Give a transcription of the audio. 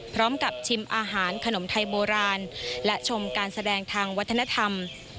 พร้อมกับชิมอาหารขนมไทยโบราณและชมการแสดงทางวัฒนธรรม